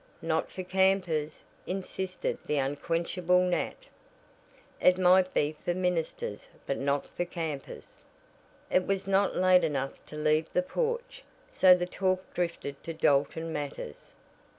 "Not for campers," insisted the unquenchable Nat, "It might be for ministers, but not for campers." It was not late enough to leave the porch, so the talk drifted to Dalton matters.